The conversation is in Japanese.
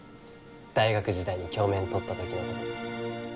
大学時代に教免取った時のこと。